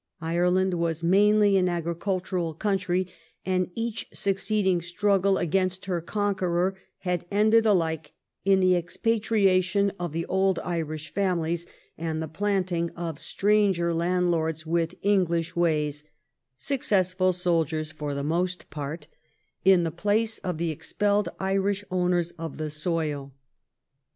Ireland was mainly an agricultural country, and each succeeding struggle against her conqueror had ended ahke in the expatriation of the old Irish families and the planting of stranger landlords with English ways — successful soldiers for the most part — in the place of the expelled Irish owners of the soil.